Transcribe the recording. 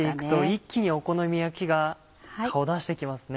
一気にお好み焼きが顔出してきますね。